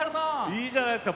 いいじゃないですか。